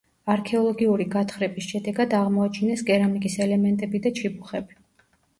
არქეოლოგიური გათხრების შედეგად აღმოაჩინეს კერამიკის ელემენტები და ჩიბუხები.